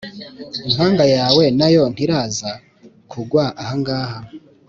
impanga yawe na yo ntiraza kugwa ahangaha".